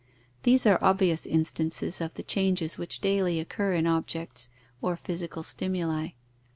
These are obvious instances of the changes which daily occur in objects or physical stimuli.